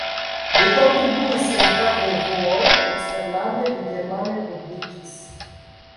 Li kontribuis en fakrevuoj, eksterlande li germane publikis.